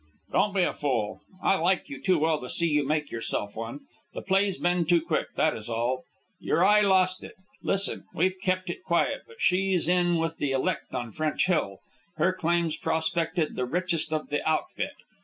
"Don't be a fool! I like you too well to see you make yourself one. The play's been too quick, that is all. Your eye lost it. Listen. We've kept it quiet, but she's in with the elect on French Hill. Her claim's prospected the richest of the outfit.